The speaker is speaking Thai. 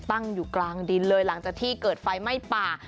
ตั้งอยู่กลางดินเลยหลังจากที่เกิดไฟไหม้ป่า